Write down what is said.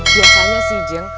biasanya sih jeng